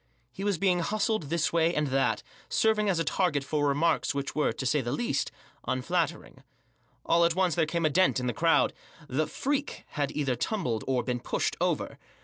He was being hustled this way and that ; serving as a target for remarks which were, to say the least> unflattering. All at once there came a dent in the crowd* The 'Freak" had either tumbled, or been pushed, over.